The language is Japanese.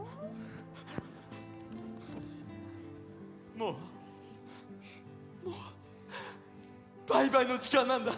もうもうバイバイのじかんなんだ。